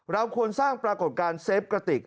เราควรสร้างปรากฏการณ์เซฟกระติก